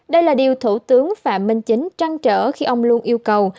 đây là điều thủ tướng phạm minh chính trăng trở khi ông luôn yêu cầu